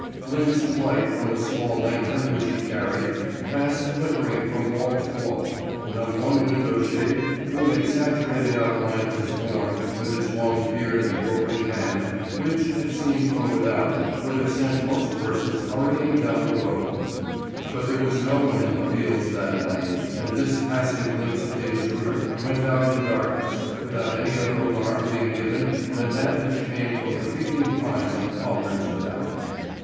Glints of light from the small lantern which he carried, passed flickering from wall to wall, and on one window shade threw an exaggerated outline of his form with its long beard and groping hand, which if seen from without would have sent most persons hurrying down the road. But there was no one in the fields that night, and this passing glimpse of the intruder went out in darkness without any other alarm being given than that which came from the creaking pines and pollards without.